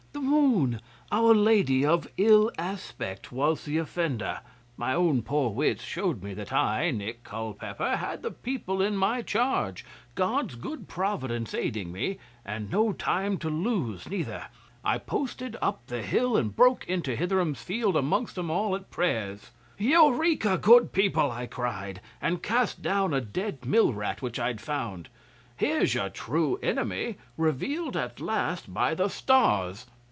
The Moon, our Lady of ill aspect, was the offender. My own poor wits showed me that I, Nick Culpeper, had the people in my charge, God's good providence aiding me, and no time to lose neither. 'I posted up the hill, and broke into Hitheram's field amongst 'em all at prayers. '"Eureka, good people!" I cried, and cast down a dead mill rat which I'd found. "Here's your true enemy, revealed at last by the stars."